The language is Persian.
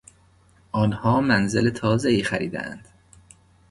آنها منزل تازهای خریدهاند.